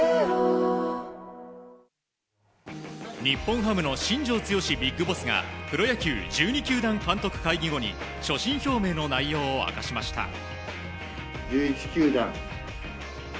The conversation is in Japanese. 日本ハムの新庄剛志ビッグボスがプロ野球１２球団監督会議後に所信表明の内容を明かしました。